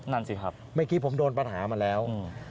เมื่อกี้ผมโดนปัญหามาแล้ว